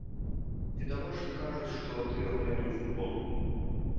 Відавочцы кажуць, што тыя гулялі ў футбол.